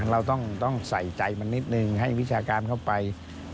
เราต้องใส่ใจมันนิดนึงให้วิชาการเข้าไป